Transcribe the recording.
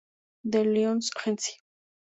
The Lions Agency